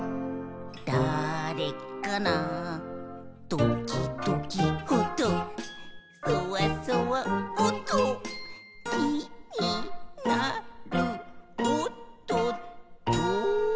「どきどきおっとそわそわおっと」「きになるおっとっと」